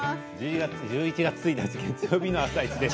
１１月１日月曜日の「あさイチ」です。